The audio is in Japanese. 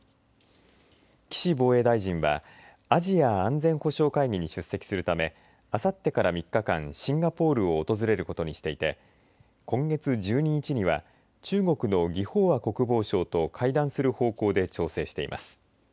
岸防衛大臣はアジア安全保障会議に出席するためあさってから３日間シンガポールを訪れることにしていて今月１２日には中国の魏鳳和国防相と会談する方向で調整しています。